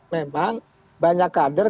memang banyak kader